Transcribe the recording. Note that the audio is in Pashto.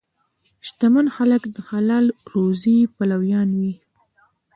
شتمن خلک د حلال روزي پلویان وي.